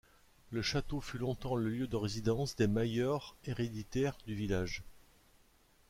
Le château fut longtemps le lieu de résidence des mayeurs héréditaires du village.